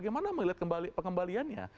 bagaimana melihat pengembaliannya